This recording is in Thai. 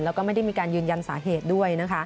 แล้วก็ไม่ได้มีการยืนยันสาเหตุด้วยนะคะ